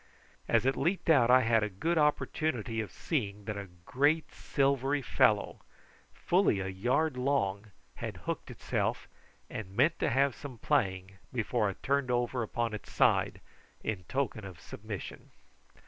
As it leaped out I had a good opportunity of seeing that a great silvery fellow, fully a yard long, had hooked itself, and meant to have some playing before it turned over upon its side in token of submission.